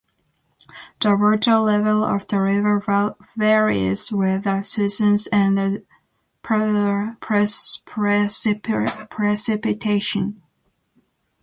The water level of the river varies with the seasons and the precipitation.